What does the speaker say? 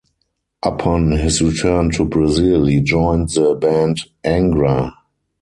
Upon his return to Brazil, he joined the band Angra.